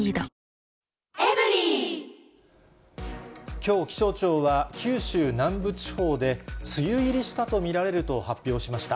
きょう、気象庁は九州南部地方で梅雨入りしたと見られると発表しました。